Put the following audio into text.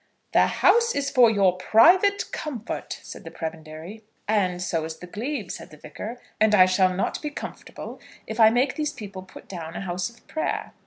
"The house is for your private comfort," said the prebendary. "And so is the glebe," said the Vicar; "and I shall not be comfortable if I make these people put down a house of prayer."